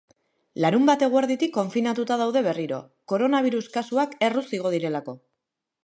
Larunbat eguerditik konfinatuta daude berriro, koronabirus kasuak erruz igo direlako.